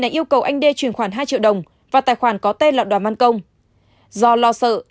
này yêu cầu anh d truyền khoản hai triệu đồng và tài khoản có tên là đoàn man công do lo sợ